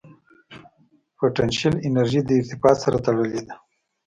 پټنشل انرژي د ارتفاع سره تړلې ده.